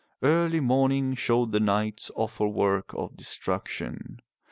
Early morning showed the night's awful work of destruction.